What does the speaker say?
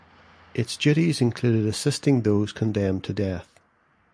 Its duties included assisting those condemned to death.